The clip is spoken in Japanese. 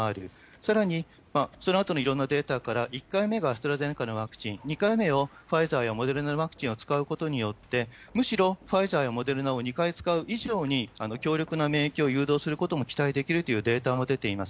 さらに、そのあとのいろんなデータから、１回目がアストラゼネカのワクチン、２回目をファイザーやモデルナワクチンを使うことによって、むしろファイザーやモデルナを２回使う以上に、強力な免疫を誘導することも期待できるというデータも出ています。